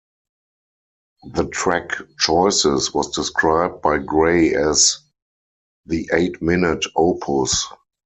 The track "Choices" was described by Gray as "the eight-minute opus".